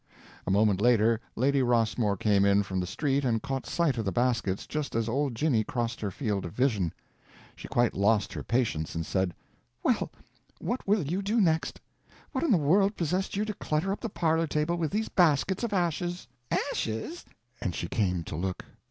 A moment later, Lady Rossmore came in from the street and caught sight of the baskets just as old Jinny crossed her field of vision. She quite lost her patience and said: "Well, what will you do next? What in the world possessed you to clutter up the parlor table with these baskets of ashes?" "Ashes?" And she came to look.